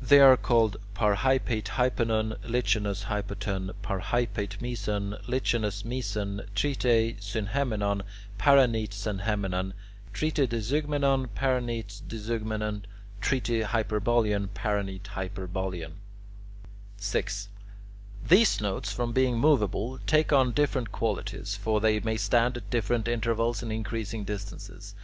They are called parhypate hypaton, lichanos hypaton, parhypate meson, lichanos meson, trite synhemmenon, paranete synhemmenon, trite diezeugmenon, paranete diezeugmenon, trite hyperbolaeon, paranete hyperbolaeon. 6. These notes, from being moveable, take on different qualities; for they may stand at different intervals and increasing distances.